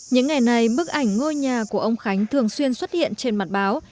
những ngày này bức ảnh ngôi nhà của ông khánh thường xuyên xuất hiện trên mặt báo